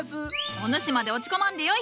お主まで落ち込まんでよい！